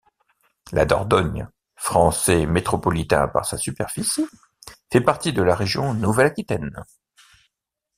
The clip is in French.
La Dordogne, français métropolitain par sa superficie, fait partie de la région Nouvelle-Aquitaine.